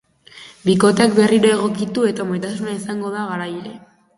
Bikoteak berriro egokitu eta maitasuna izango da garaile.